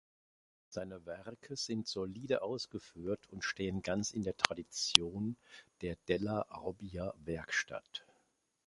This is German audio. Seine Werke sind solide ausgeführt und stehen ganz in der Tradition der della-Robbia-Werkstatt.